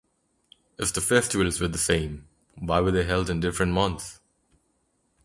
If the festivals were the same, why were they held in different months?